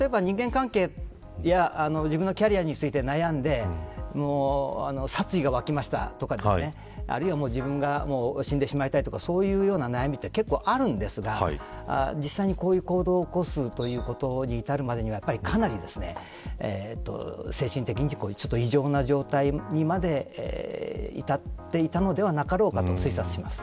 例えば、人間関係や自分のキャリアについて悩んで殺意が湧きましたとかあるいは自分が死んでしまいたいとかそういうような悩みって結構あるんですが実際にこういう行動を起こすということに至るまでにはかなり精神的に異常な状態にまで至っていたのではなかろうかと推察します。